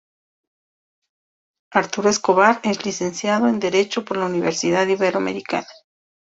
Arturo Escobar es licenciado en Derecho por la Universidad Iberoamericana.